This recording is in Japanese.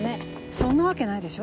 そんなわけないでしょ